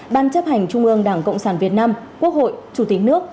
ban chấp hành trung ương đảng cộng sản việt nam quốc hội chủ tịch nước